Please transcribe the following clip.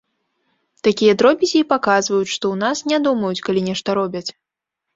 Такія дробязі і паказваюць, што ў нас не думаюць, калі нешта робяць.